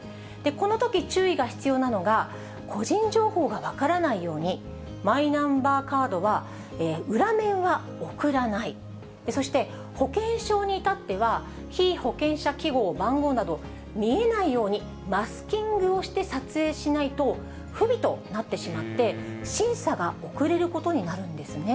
このとき注意が必要なのが、個人情報が分からないように、マイナンバーカードは、裏面は送らない、そして、保険証に至っては、被保険者記号、番号など、見えないようにマスキングをして撮影しないと不備となってしまって、審査が遅れることになるんですね。